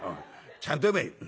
ちゃんと読め」。